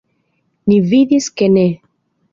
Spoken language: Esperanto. Ni vidis ke ne.